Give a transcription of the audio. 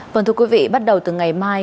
vâng thưa quý vị bắt đầu từ ngày mai